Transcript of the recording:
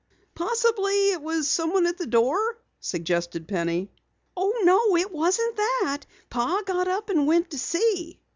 "Possibly it was someone at the door," suggested Penny. "No, it wasn't that. Pa got up and went to see."